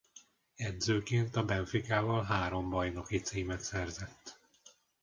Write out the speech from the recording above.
Edzőként a Benficával három bajnoki címet szerzett.